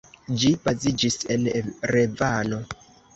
Ĝi baziĝis en Erevano.